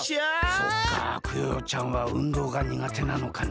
そっかクヨヨちゃんはうんどうがにがてなのかな。